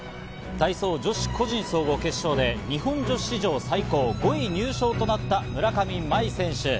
体操・女子個人総合決勝で日本女子史上最高の５位入賞となった村上茉愛選手。